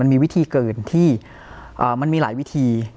มีวิธีเกินที่มันมีหลายวิธี